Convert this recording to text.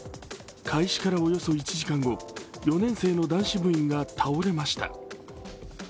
開始からおよそ１時間後、４年生の男子部員が倒れました。